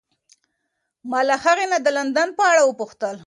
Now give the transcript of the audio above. ما له هغې نه د لندن په اړه وپوښتل.